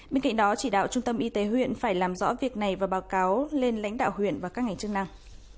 bên cạnh đó chỉ đạo trung tâm y tế huyện phải làm rõ việc này và báo cáo lên lãnh đạo huyện và các ngành chức năng